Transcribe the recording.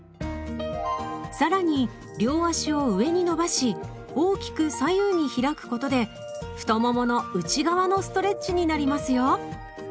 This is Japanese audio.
更に両足を上に伸ばし大きく左右に開くことで太ももの内側のストレッチになりますよ。